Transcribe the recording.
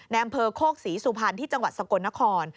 อำเภอโคกศรีสุพรรณที่จังหวัดสกลนคร